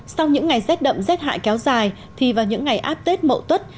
sau những ngày rét đậm rét hại kéo dài thì vào những ngày áp tết mộ tốt